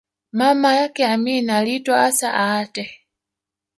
Mama yake Amin aliitwa Assa Aatte